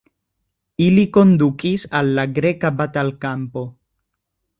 Ili kondukis al la greka batalkampo.